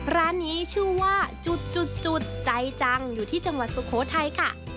ร้านนี้ชื่อว่าจุดใจจังอยู่ที่จังหวัดสุโขทัยค่ะ